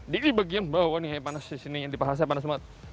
di bagian bawah nih yang panas disini yang dipakasnya panas banget